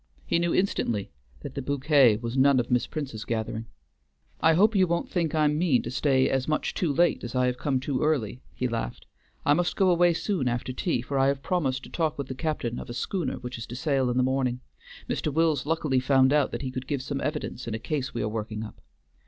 He knew instantly that the bouquet was none of Miss Prince's gathering. "I hope you won't think I mean to stay as much too late as I have come too early," he laughed. "I must go away soon after tea, for I have promised to talk with the captain of a schooner which is to sail in the morning. Mr. Wills luckily found out that he could give some evidence in a case we are working up."